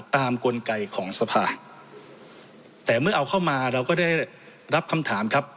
กลไกของสภาแต่เมื่อเอาเข้ามาเราก็ได้รับคำถามครับ